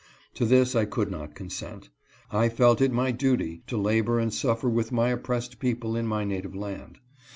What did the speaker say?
To this I could not consent. I felt it my duty to labor and suffer with my oppressed people in my native land.